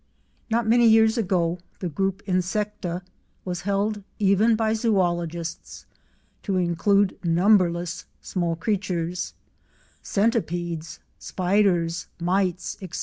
Not many years ago the group Insecta was held even by Zoologists to include numberless small creatures—centipedes, spiders, mites, etc.